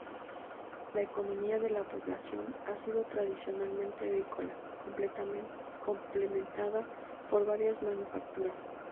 La economía de la población ha sido tradicionalmente agrícola, complementada por varias manufacturas.